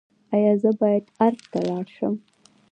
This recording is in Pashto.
ایا زه باید ارګ ته لاړ شم؟